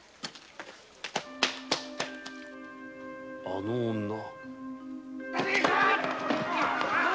あの女？